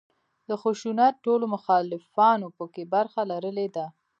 د خشونت ټولو مخالفانو په کې برخه لرلې ده.